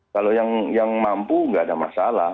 kalau yang mampu nggak ada masalah